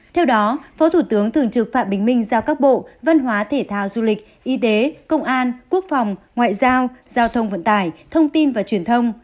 theo đó phó thủ tướng thường trực phạm bình minh giao các bộ văn hóa thể thao du lịch y tế công an quốc phòng ngoại giao giao thông vận tải thông tin và truyền thông